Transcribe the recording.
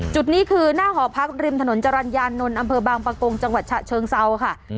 จุดนี้คือหน้าหอพักริมถนนจรรยานนท์อำเภอบางปะโกงจังหวัดฉะเชิงเซาค่ะ